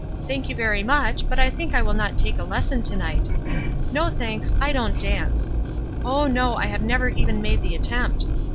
'Thank you very much, but I think I will not take a lesson to night.' *No, thanks, I don't dance.' *0h, no, I have never even made an attempt.'